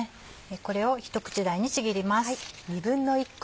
これを一口大にちぎります。